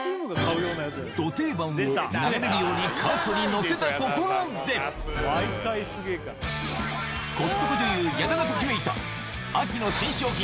ど定番を流れるようにカートに載せたところでコストコ女優、矢田がときめいた秋の新商品